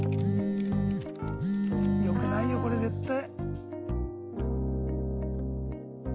よくないよこれ絶対。